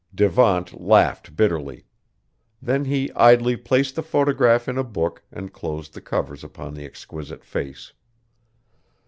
Devant laughed bitterly; then he idly placed the photograph in a book and closed the covers upon the exquisite face.